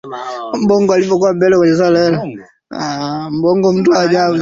Mtaalamu wa ufundi alimsifia Jacob na kusema kuwa yeye ndio aina ya vijana anawahitaji